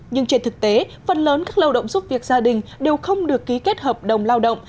nhưng trên thực tế phần lớn các lao động giúp việc gia đình đều không được ký kết hợp đồng lao động